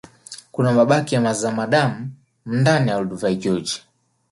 kuna mabaki ya zamadamu ndani ya olduvai george